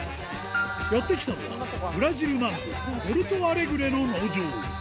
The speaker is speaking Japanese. やって来たのは、ブラジル南部ポルト・アレグレの路上。